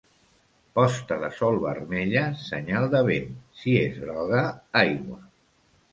Posta de sol vermella, senyal de vent; si és groga, aigua.